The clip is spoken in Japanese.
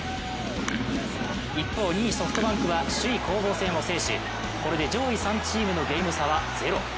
一方、２位・ソフトバンクは首位攻防戦を制しこれで上位３チームのゲーム差はゼロ。